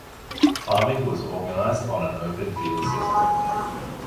Farming was organised on an open field system.